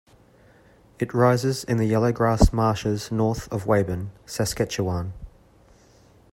It rises in the Yellow Grass Marshes north of Weyburn, Saskatchewan.